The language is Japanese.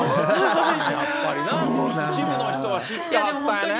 やっぱりな、一部の人は知ってはったんやね。